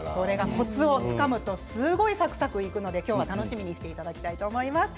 コツをつかむとすごくサクサクいくので今日は楽しみにしていただけたらと思います。